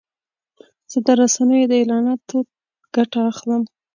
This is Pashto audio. زه د رسنیو د اعلاناتو ګټه اخلم.